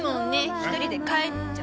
１人で帰っちゃおう。